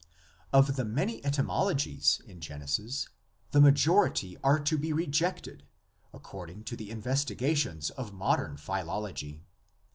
Of the many etymologies in Genesis the majority are to be rejected according to the investigations of modern philology.